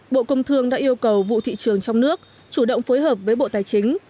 bộ công thương đã yêu cầu vụ thị trường trong nước chủ động phối hợp với bộ tài chính